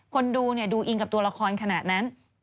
คนดูดูอิงกับตัวละครขนาดนั้น